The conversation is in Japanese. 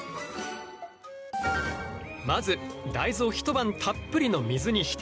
まず大豆を一晩たっぷりの水に浸す。